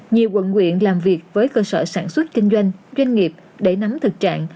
nhiều quận nguyện làm việc với cơ sở sản xuất kinh doanh doanh nghiệp để nắm thực trạng